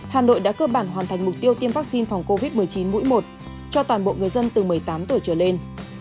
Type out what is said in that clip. hà nội đã cơ bản hoàn thành mục tiêu tiêm vaccine phòng covid một mươi chín mũi một cho toàn bộ người dân từ một mươi tám tuổi trở lên